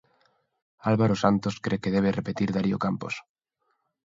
Álvaro Santos cre que debe repetir Darío Campos.